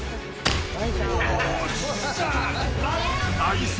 よっしゃ。